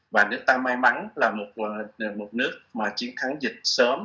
và nước ta may mắn là một nước mà chiến thắng dịch sớm